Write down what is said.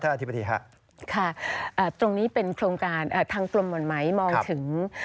อธิบดีค่ะค่ะตรงนี้เป็นโครงการทางกรมห่อนไหมมองถึง